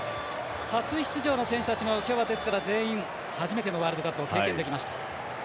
初出場の選手たちも今日は、全員初めてのワールドカップを経験できました。